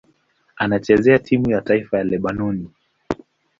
Anachezea timu ya taifa ya Lebanoni.